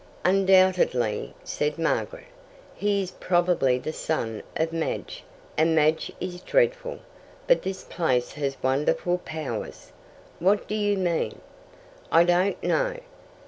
"Undoubtedly," said Margaret. "He is probably the son of Madge, and Madge is dreadful. But this place has wonderful powers." "What do you mean?" "I don't know."